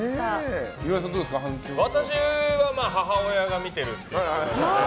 私は母親が見てる。